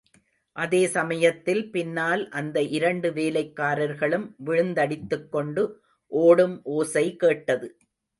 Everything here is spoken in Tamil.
அதே சமயத்தில் பின்னால், அந்த இரண்டு வேலைக்காரர்களும் விழுந்தடித்துக் கொண்டு ஓடும் ஓசை கேட்டது.